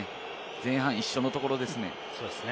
前半、一緒のところですね。